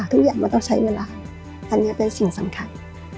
ทุกอย่างมันต้องใช้เวลาอันนี้เป็นสิ่งสำคัญ